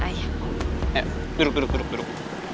ayo duduk duduk duduk